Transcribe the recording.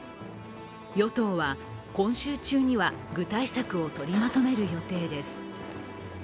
与党は今週中には具体策を取りまとめる予定です。